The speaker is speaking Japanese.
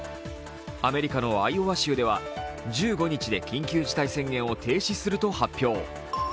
アメリカのアイオワ州では、１５日で緊急事態宣言を停止すると発表。